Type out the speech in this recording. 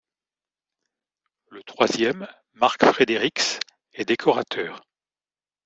Le troisième, Marc Fréderix, est décorateur.